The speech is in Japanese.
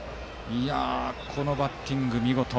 このバッティング、見事。